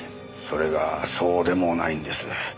それがそうでもないんです。